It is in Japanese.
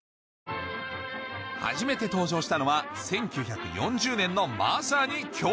初めて登場したのは１９４０年のまさに今日！